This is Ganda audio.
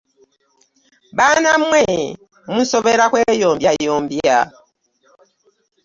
Baana mmwe munsobera kweyombyayombya.